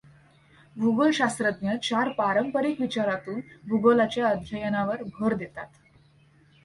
भूगोलशास्त्रज्ञ चार पारंपरिक विचारांतून भूगोलाच्या अध्ययनावर भर देतात.